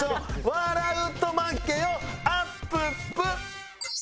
「笑うと負けよあっぷっぷ」